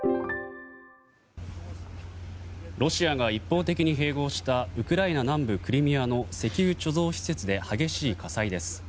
ロシアが一方的に併合したウクライナ南部クリミアの石油貯蔵施設で激しい火災です。